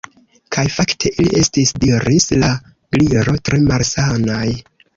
"Kaj fakte ili estis " diris la Gliro "tre malsanaj."